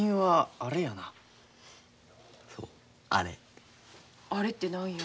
あれって何や？